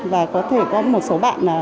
và có thể có một số bạn